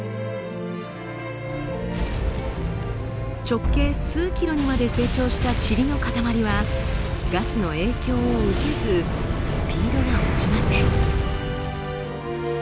直径数ｋｍにまで成長したチリのかたまりはガスの影響を受けずスピードが落ちません。